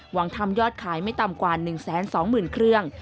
หวังทำยอดขายไม่ต่ำกว่า๑๒๐๐๐เครื่อง